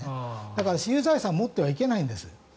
だから私有財産を持ってはいけないんです。